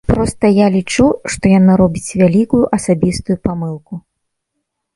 Проста я лічу, што яна робіць вялікую асабістую памылку.